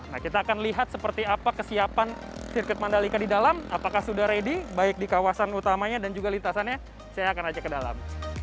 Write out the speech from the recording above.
nah kita akan lihat seperti apa kesiapan sirkuit mandalika di dalam apakah sudah ready baik di kawasan utamanya dan juga lintasannya saya akan ajak ke dalam